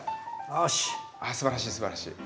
あっすばらしいすばらしい。